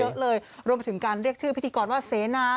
เยอะเลยรวมไปถึงการเรียกชื่อพิธีกรว่าเสนา